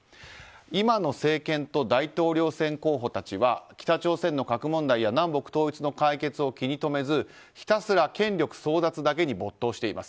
今の政権と大統領選候補たちは北朝鮮の核問題や南北統一の解決を気に留めずひたすら権力争奪だけに没頭しています。